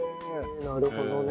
なるほどね。